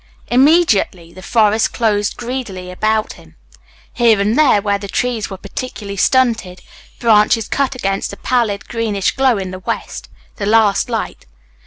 Immediately the forest closed greedily about him. Here and there, where the trees were particularly stunted, branches cut against a pallid, greenish glow in the west the last light.